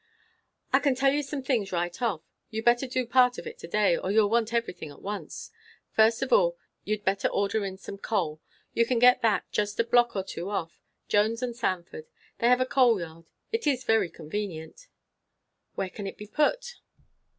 "I can tell you some things right off. You'd better do part of it to day, or you'll want everything at once. First of all, you'd better order in some coal. You can get that just a block or two off; Jones & Sanford; they have a coal yard. It is very convenient." "Where can it be put?"